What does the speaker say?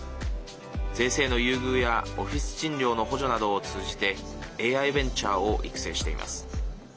税制の優遇やオフィス賃料の補助などを通じてＡＩベンチャーを育成しています。